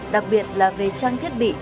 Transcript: đặc biệt là về trang thiết bị